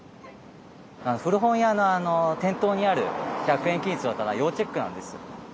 古本屋の店頭にある１００円均一の棚要チェックなんです。